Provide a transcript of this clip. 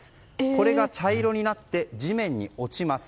これが茶色になって地面に落ちます。